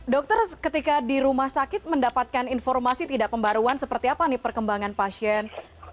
dokter ketika di rumah sakit mendapatkan informasi tidak pembaruan seperti apa nih perkembangan pasien